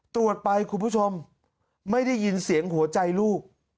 ตรวจไปคุณผู้ชมไม่ได้ยินเสียงหัวใจลูก